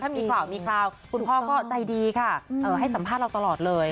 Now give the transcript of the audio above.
มีข่าวมีคราวคุณพ่อก็ใจดีค่ะให้สัมภาษณ์เราตลอดเลย